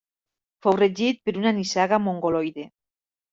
Fou regit per una nissaga mongoloide.